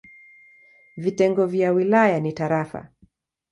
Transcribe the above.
Vitengo vya wilaya ni tarafa.